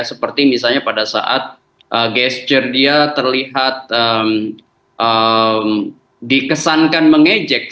seperti misalnya pada saat gesture dia terlihat dikesankan mengejek